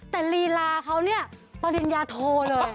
แต่ลีลาเขาเนี่ยปริญญาโทเลย